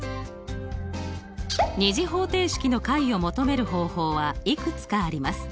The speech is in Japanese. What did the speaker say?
２次方程式の解を求める方法はいくつかあります。